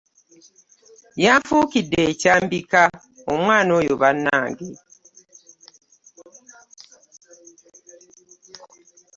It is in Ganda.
Yanfuukidde ekyambika omwana oyo bannange!